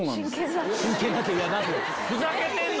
ふざけてんの？